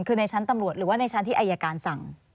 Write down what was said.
คือในชั้นตำรวจหรือว่าในชั้นที่อายการสั่ง